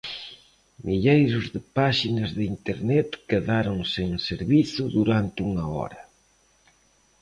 Milleiros de páxinas de Internet quedaron sen servizo durante unha hora.